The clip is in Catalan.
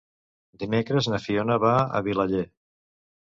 Dimecres na Fiona va a Vilaller.